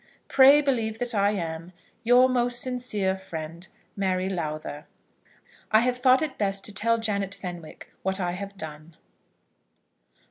Pray believe that I am Your most sincere friend, MARY LOWTHER. I have thought it best to tell Janet Fenwick what I have done.